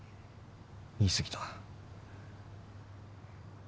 言い過ぎた。